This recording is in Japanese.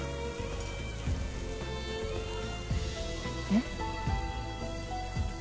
えっ？